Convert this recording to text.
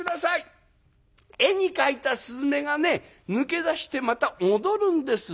絵に描いた雀がね抜け出してまた戻るんです」。